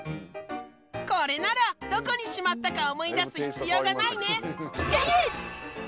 これならどこにしまったか思い出す必要がないね！